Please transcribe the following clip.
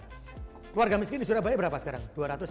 keluarga miskin di surabaya berapa sekarang